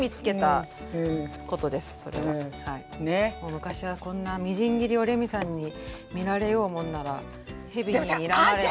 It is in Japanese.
昔はこんなみじん切りをレミさんに見られようもんならヘビににらまれた。